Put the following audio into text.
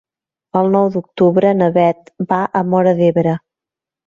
El nou d'octubre na Bet va a Móra d'Ebre.